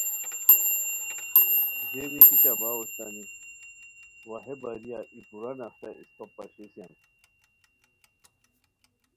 ژیری کیچہ باؤ اوشتانی وا ہے باریہ ای پورہ نقشہ اسپہ پاشیسیان